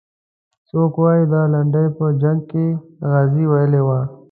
څوک وایي دا لنډۍ په جنګ کې غازي ویلې وه.